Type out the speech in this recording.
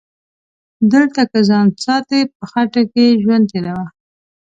دلته که ځان ساتي په خټو کې ژوندون تیروه